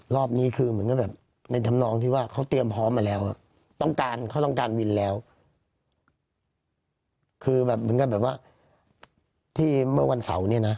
รอบนี้คือเหมือนกับแบบในธรรมนองที่ว่าเขาเตรียมพร้อมมาแล้วต้องการเขาต้องการวินแล้วคือแบบเหมือนกับแบบว่าที่เมื่อวันเสาร์เนี่ยนะ